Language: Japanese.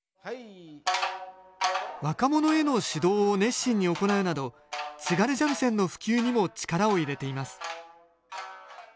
若者への指導を熱心に行うなど津軽三味線の普及にも力を入れています。